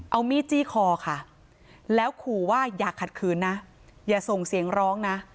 เอามีดจี้คอค่ะแล้วขู่ว่าอย่าขัดขืนนะอย่าส่งเสียงร้องนะ